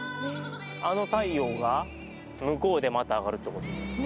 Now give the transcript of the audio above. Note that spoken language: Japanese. あの太陽が向こうでまた上がるってことですね。